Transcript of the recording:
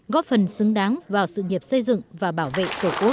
góp phần xứng đáng vào sự nghiệp xây dựng và bảo vệ tổ quốc